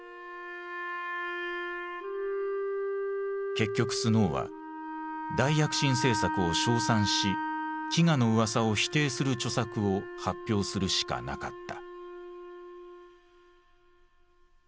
結局スノーは大躍進政策を称賛し飢餓の噂を否定する著作を発表するしかなかった。